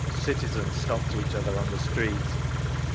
Citizens stopped each other on the street.